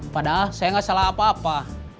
padahal saya nggak salah apa apa